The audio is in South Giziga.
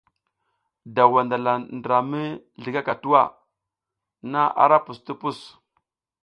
Daw wandala ndra mi zligaka tuwa na ara pus ti pus.